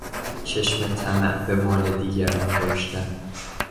چشم طمع به مال دیگران داشتن